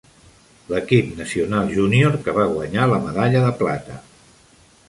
L'equip nacional júnior que va guanyar la medalla de plata.